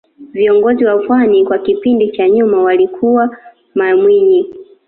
viongozi wa pwani kwa kipindi cha nyuma walikuwa mamwinyi